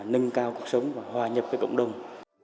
nâng cao cuộc sống và hòa nhập với cộng đồng